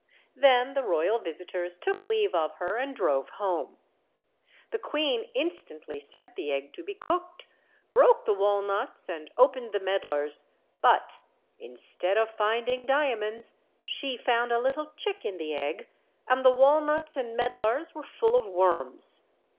Then the royal visitors took leave of her and drove home. The queen instantly sent the egg to be cooked, broke the walnuts, and opened the medlars; but instead of finding diamonds she found a little chick in the egg, and the walnuts and medlars were full of worms.